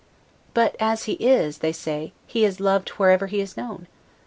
But as he is, say they, he is loved wherever he is known.